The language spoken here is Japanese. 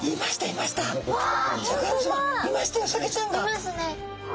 いますね。